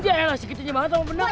iya ya lah sekiternya banget ama benang